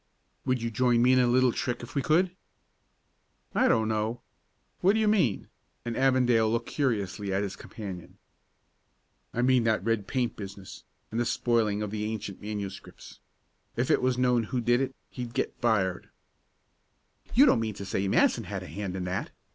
"Would you join me in a little trick if we could?" "I don't know. What do you mean?" and Avondale looked curiously at his companion. "I mean that red paint business and the spoiling of the ancient manuscripts. If it was known who did it he'd get fired." "You don't mean to say Matson had a hand in that!"